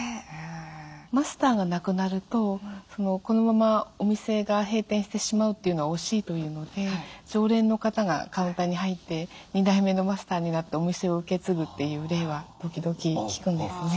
マスターが亡くなるとこのままお店が閉店してしまうっていうのは惜しいというので常連の方がカウンターに入って２代目のマスターになってお店を受け継ぐという例は時々聞くんですね。